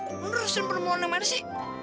lo nerusin penemuan yang mana sih